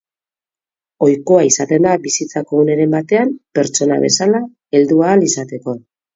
Ohikoa izaten da bizitzako uneren batean pertsona bezala heldu ahal izateko.